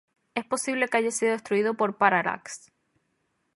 Es posible que haya sido destruido por Parallax.